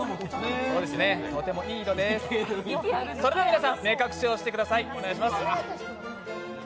それでは皆さん、目隠しをしてください。